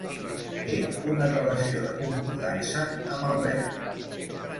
Té una relació de concordança amb el verb.